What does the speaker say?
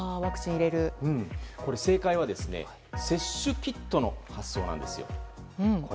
正解は接種キットの発送なんです。